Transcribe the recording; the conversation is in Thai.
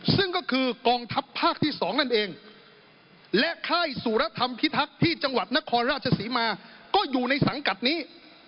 ซึ่งก็คือกองทัพภาคที่๒นั่นเองและค่ายสุรธรรมพิทักษ์ที่จังหวัดนครราชศรีมาก็อยู่ในสังกัดนี้